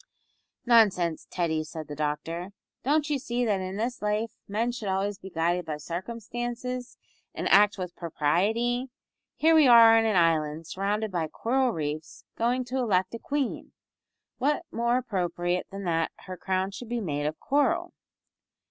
"Nonsense, Teddy," said the doctor, "don't you see that in this life men should always be guided by circumstances, and act with propriety. Here we are on an island surrounded by coral reefs, going to elect a queen; what more appropriate than that her crown should be made of coral."